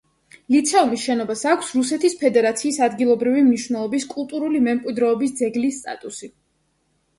ლიცეუმის შენობას აქვს რუსეთის ფედერაციის ადგილობრივი მნიშვნელობის კულტურული მემკვიდრეობის ძეგლის სტატუსი.